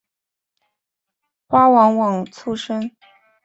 花往往簇生。